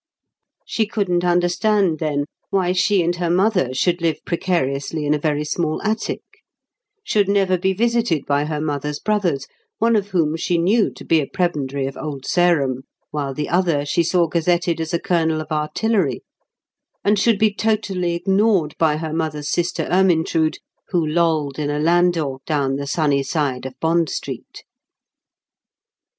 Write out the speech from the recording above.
She couldn't understand, then, why she and her mother should live precariously in a very small attic; should never be visited by her mother's brothers, one of whom she knew to be a Prebendary of Old Sarum, while the other she saw gazetted as a Colonel of Artillery; and should be totally ignored by her mother's sister, Ermyntrude, who lolled in a landau down the sunny side of Bond Street.